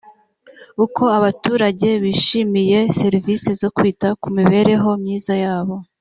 uko abaturage bishimiye serivisi zo kwita ku mibereho myiza yabo